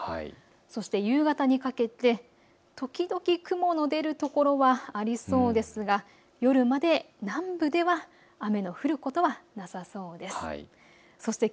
そして夕方にかけて時々、雲の出る所はありそうですが夜まで南部では雨の降ることはなさそうです。